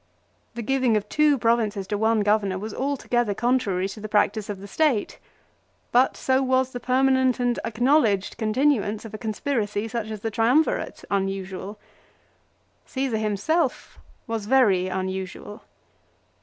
The giving of two provinces to one Governor was altogether contrary to the practice of the State ; but so was the permanent and acknowledged continuance of a conspiracy such as the Triumvirate unusual. Caesar himself was very unusual.